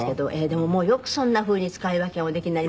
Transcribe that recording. でもよくそんな風に使い分けがおできになりますね。